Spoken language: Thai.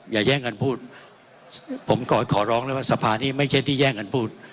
แย่งกันพูดผมขอร้องเลยว่าสภานี้ไม่ใช่ที่แย่งกันพูด